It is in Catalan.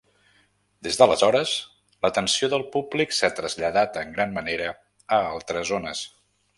Des d'aleshores, l'atenció del públic s'ha traslladat en gran manera a altres zones.